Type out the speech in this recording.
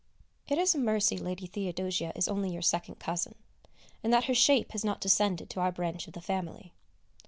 It is a mercy Lady Theodosia is only your second cousin, and that her shape has not descended to our branch of the family.